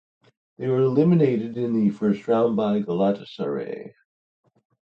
They were eliminated in the first round, by Galatasaray.